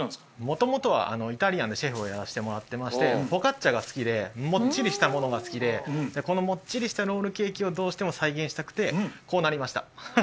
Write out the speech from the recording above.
元々はイタリアンでシェフをやらせてもらってましてフォカッチャが好きでもっちりしたものが好きでこのもっちりしたロールケーキをどうしても再現したくてこうなりました。